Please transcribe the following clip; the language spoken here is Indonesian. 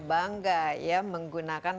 bangga ya menggunakan